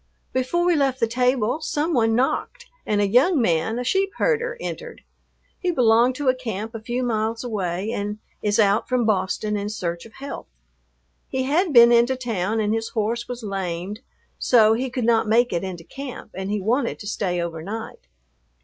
Before we left the table some one knocked and a young man, a sheep herder, entered. He belonged to a camp a few miles away and is out from Boston in search of health. He had been into town and his horse was lamed so he could not make it into camp, and he wanted to stay overnight.